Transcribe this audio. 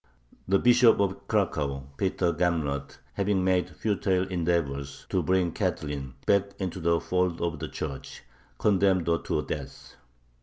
The Bishop of Cracow, Peter Gamrat, having made futile endeavors to bring Catherine back into the fold of the Church, condemned her to death.